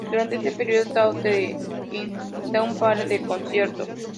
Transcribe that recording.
Durante ese período Tao te kin da un par de conciertos.